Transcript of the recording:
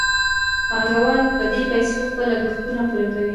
پانګوال په دې پیسو خپل لګښتونه پوره کوي